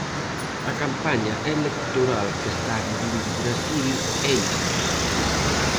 A campaña electoral que está vivindo o Brasil é isto.